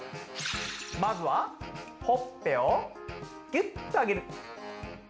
まずはほっぺをギュッとあげる。